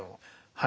はい。